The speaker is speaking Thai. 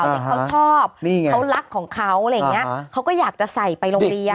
ที่เขาชอบเขารักของเขาอะไรอย่างเงี้ยเขาก็อยากจะใส่ไปโรงเรียน